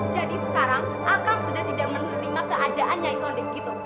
jadi sekarang kang sudah tidak menerima keadaan nyai kondek itu